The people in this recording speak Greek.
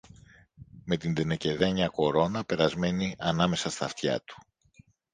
με την τενεκεδένια κορώνα περασμένη ανάμεσα στ' αυτιά του